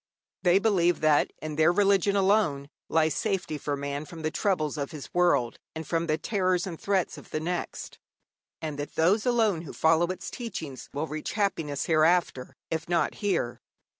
They believe that in their religion alone lies safety for man from the troubles of this world and from the terrors and threats of the next, and that those alone who follow its teaching will reach happiness hereafter, if not here.